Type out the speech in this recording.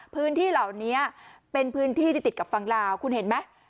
พื้นที่เหล่านี้เป็นพื้นที่ที่ติดกับฝั่งลาวคุณเห็นไหม